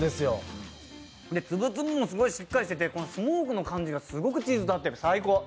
粒々もすごいしっかりしててスモークの感じがすごくチーズに合ってる、最高。